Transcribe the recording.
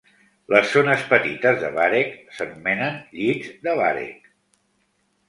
Les zones petites de varec s'anomenen llits de varec.